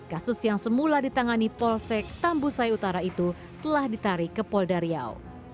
kasus yang semula ditangani polsek tambusai utara itu telah ditarik ke polda riau